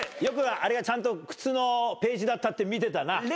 よくあれがちゃんと靴のページだったって見てたな。